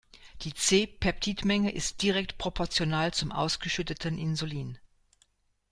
Die C-Peptid-Menge ist direkt proportional zum ausgeschütteten Insulin.